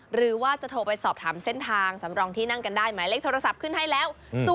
หรือว่าจะโทรไปสอบถามเส้นทางสำรองที่นั่งกันได้หมายเลขโทรศัพท์ขึ้นให้แล้ว